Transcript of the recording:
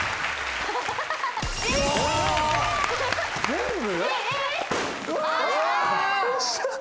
全部？